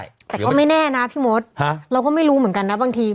แต่ก็ไม่แน่นะพี่มดฮะเราก็ไม่รู้เหมือนกันนะบางที